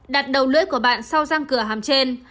đặt đầu lưỡi của bạn sau răng cửa hàng trên